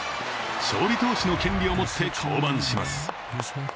勝利投手の権利を持って降板します。